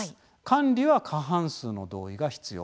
「管理」は過半数の同意が必要。